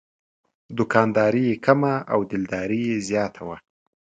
دوکانداري یې کمه او دلداري زیاته وه.